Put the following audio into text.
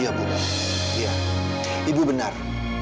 iya bukan iya ibu benar